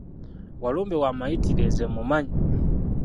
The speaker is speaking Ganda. Walumbe wamayitire nze mumanyi.